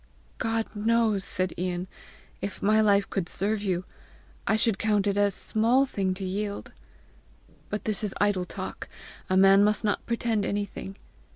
"God knows," said Ian, "if my life could serve you, I should count it a small thing to yield! But this is idle talk! A man must not pretend anything!